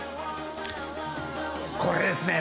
これですね。